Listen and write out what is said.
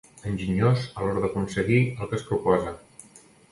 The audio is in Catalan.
Enginyós a l'hora d'aconseguir el que es proposa.